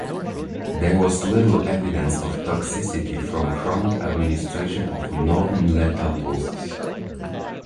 There was little evidence of toxicity from chronic administration of non-lethal doses.